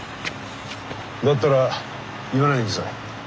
だったら言わないでください。